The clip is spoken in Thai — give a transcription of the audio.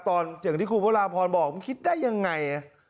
อย่างที่คุณพระราพรบอกมันคิดได้ยังไง